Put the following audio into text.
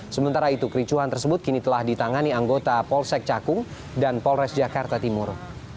sementara itu kericuhan tersebut kini telah ditangani anggota polsek cakung dan polres jakarta timur